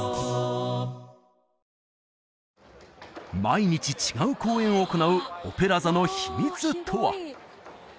毎日違う公演を行うオペラ座の秘密とは！？